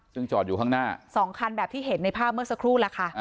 ซึ่งจอดอยู่ข้างหน้า๒คันแบบที่เห็นในภาพเมื่อสักครู่ล่ะค่ะ